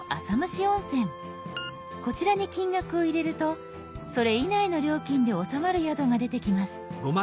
こちらに金額を入れるとそれ以内の料金で収まる宿が出てきます。